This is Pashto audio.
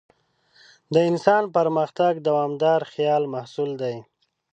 د انسان پرمختګ د دوامداره خیال محصول دی.